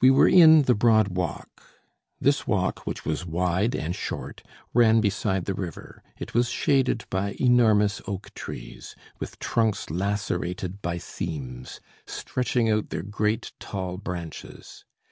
We were in the broad walk. This walk, which was wide and short, ran beside the river; it was shaded by enormous oak trees, with trunks lacerated by seams, stretching out their great, tall branches.